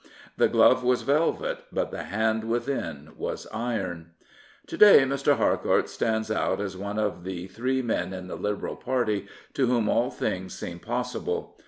The glove was velvet, but the hand within was iron. To day Mr. Harcourt stands out as one of the three men in the Liberal Party to whom all things seem possible.